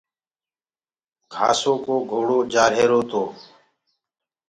گھآسو ڪو گھوڙو جآ رهرو تو۔